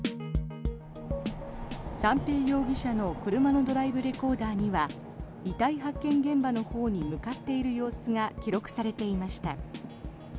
三瓶容疑者の車のドライブレコーダーには遺体発見現場のほうに向かっている様子が記録されていました。